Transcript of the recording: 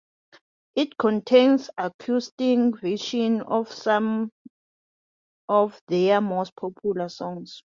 It contains acoustic versions of some of their most popular songs.